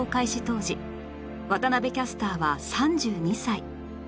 当時渡辺キャスターは３２歳